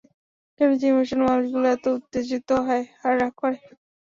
কেন যে ইমোশনাল মানুষগুলো এত উত্তেজিত হয় আর রাগ করে?